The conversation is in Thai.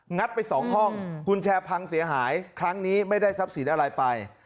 งัดไป๒ห้องคุณแชร์พังเสียหายครั้งนี้ไม่ได้ทรัพย์ศีลอะไรไป